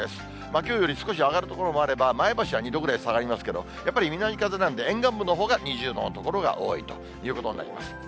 きょうより少し上がる所もあれば、前橋は２度ぐらい下がりますけど、やっぱり南風なんで、沿岸部のほうが２０度の所が多いということになります。